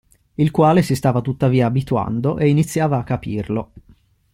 Il quale si stava tuttavia abituando e iniziava a capirlo.